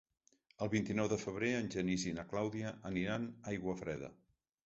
El vint-i-nou de febrer en Genís i na Clàudia aniran a Aiguafreda.